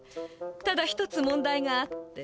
ただ一つ問題があって。